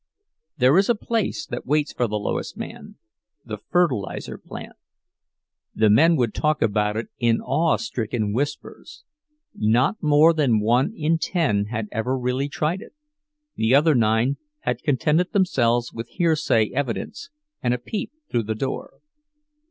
There is a place that waits for the lowest man—the fertilizer plant! The men would talk about it in awe stricken whispers. Not more than one in ten had ever really tried it; the other nine had contented themselves with hearsay evidence and a peep through the door.